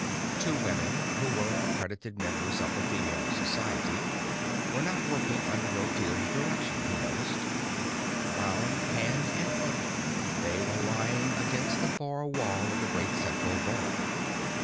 Two women who were accredited members of the Female Society were not working under Ottilie's direction, he noticed. Bound hand and foot, they were lying against the far wall of the great central burrow.